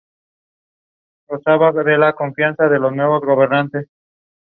His works can be found in museums and private collections in Russia and abroad.